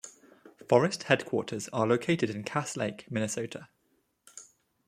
Forest headquarters are located in Cass Lake, Minnesota.